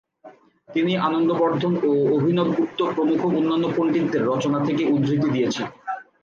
তিনি আনন্দবর্ধন ও অভিনবগুপ্ত প্রমুখ অন্যান্য পণ্ডিতদের রচনা থেকে উদ্ধৃতি দিয়েছেন।